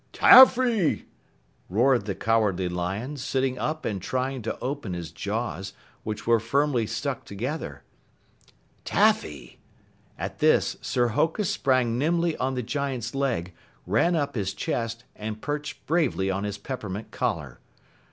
"Taffy!" roared the Cowardly Lion, sitting up and trying to open his jaws, which were firmly stuck together. "Taffy!" At this, Sir Hokus sprang nimbly on the giant's leg, ran up his chest, and perched bravely on his peppermint collar.